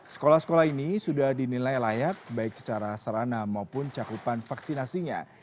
sekolah sekolah ini sudah dinilai layak baik secara sarana maupun cakupan vaksinasinya